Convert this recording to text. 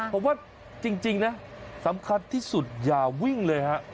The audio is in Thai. ผมว่าจริงนะสำคัญที่สุดอย่าวิ่งเลยฮะ